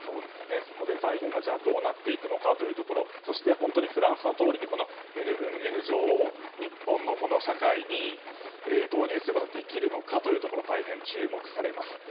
そこで財源がどうなっていくのかというところそして本当にフランスのとおりＮ分Ｎ乗を日本の社会に導入することができるのかというところが大変、注目されます。